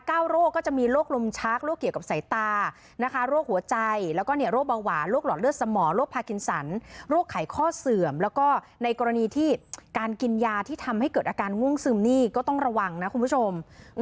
โรคก็จะมีโรคลมชักโรคเกี่ยวกับสายตานะคะโรคหัวใจแล้วก็โรคเบาหวานโรคหลอดเลือดสมองโรคพากินสันโรคไขข้อเสื่อมแล้วก็ในกรณีที่การกินยาที่ทำให้เกิดอาการง่วงซึมนี่ก็ต้องระวังนะคุณผู้ชม